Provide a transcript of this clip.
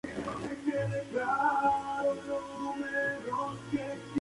El clima predominante es seco semicálido.